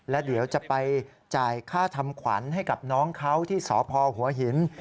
และเดี๋ยวจะไปจ่ายค่าทำขวัญให้กับน้องเขาที่สพหัวหิน